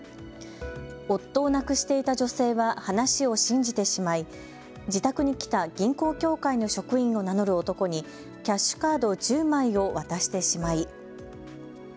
夫を亡くしていた女性は話を信じてしまい、自宅に来た銀行協会の職員を名乗る男にキャッシュカード１０枚を渡してしまい。